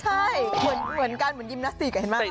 ใช่เหมือนกันเหมือนยิมนาสติกเห็นไหม